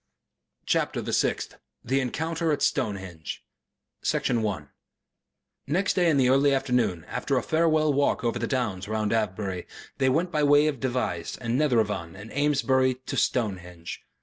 CHAPTER THE SIXTH THE ENCOUNTER AT STONEHENGE Section 1 Next day in the early afternoon after a farewell walk over the downs round Avebury they went by way of Devizes and Netheravon and Amesbury to Stonehenge.